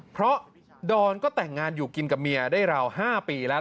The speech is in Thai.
เพราะดอนก็แต่งงานอยู่กินกับเมียได้ราว๕ปีแล้ว